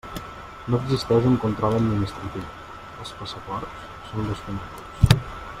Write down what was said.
No existeix un control administratiu; els passaports són desconeguts.